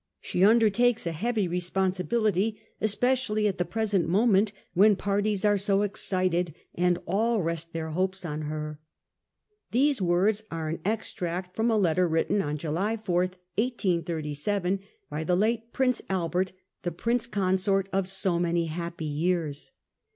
She undertakes a heavy responsibility, espe cially at the present moment, when parties are so excited, and all rest their hopes on her.' These words are an extract from a letter written on July 4, 1837, by the late Prince Albert, the Prince Consort of so many happy years.